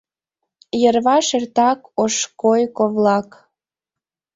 Йырваш эртак ош койко-влак.